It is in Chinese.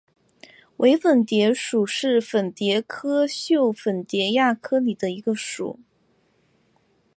伪粉蝶属是粉蝶科袖粉蝶亚科里的一个属。